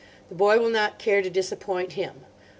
The boy will not care to disappoint him.